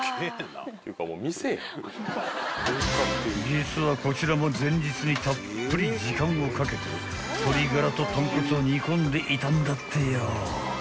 ［実はこちらも前日にたっぷり時間をかけて鶏がらと豚骨を煮込んでいたんだってよ］